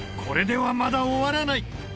これではまだ終わらない！